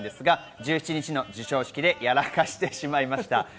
１７日、受賞式でやらかしてしまいました。